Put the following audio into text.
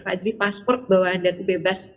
pak ajri paspor bahwa anda itu bebas